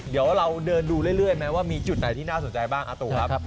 เดี๋ยวเราเดินดูเรื่อยไหมว่ามีจุดไหนที่น่าสนใจบ้างอาตูครับ